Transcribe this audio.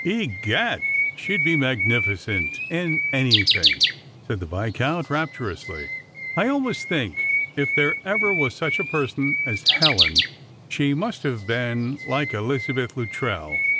" Egad, she'd be magnificent in anything," said the Viscount rapturously, "I always think, if there ever was such a person as Helen, she must have been like Elizabeth Luttrell.